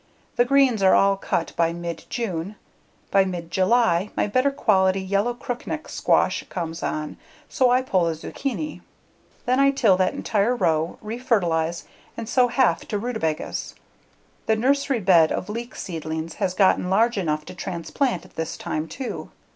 The greens are all cut by mid June; by mid July my better quality Yellow Crookneck squash come on, so I pull the zucchini. Then I till that entire row, refertilize, and sow half to rutabagas. The nursery bed of leek seedlings has gotten large enough to transplant at this time, too.